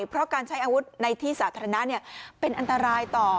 เพราะการใช้อาวุธในที่สาธารณะเป็นอันตรายต่อ